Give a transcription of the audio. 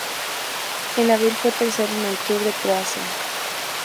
En abril fue tercero en el Tour de Croacia.